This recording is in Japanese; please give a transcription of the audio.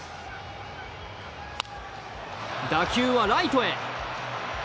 打球はライトへ。